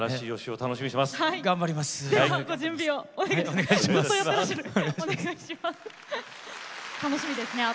楽しみですね。